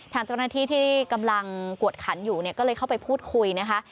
ทางเจ้าหน้าที่ที่กำลังกวดขันอยู่เนี่ยก็เลยเข้าไปพูดคุยนะคะ